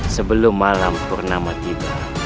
sebelum malam purnama tiba